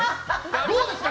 どうですか？